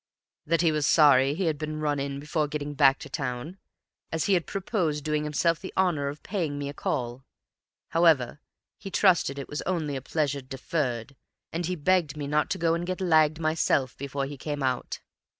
"That he was sorry he had been run in before getting back to town, as he had proposed doing himself the honor of paying me a call; however, he trusted it was only a pleasure deferred, and he begged me not to go and get lagged myself before he came out.